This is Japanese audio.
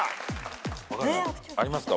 ありますか？